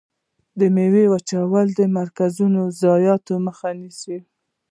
د ميوو وچولو مرکزونه د ضایعاتو مخه نیسي.